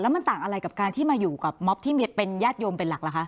มันต่างอะไรกับการที่มาอยู่กับม็อบที่เป็นญาติโยมเป็นหลักล่ะคะ